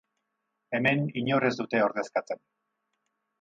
Hemen inor ez dute ordezkatzen.